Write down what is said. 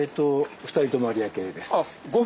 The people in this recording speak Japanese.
２人とも有明です。